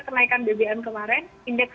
kenaikan bbm kemarin indeks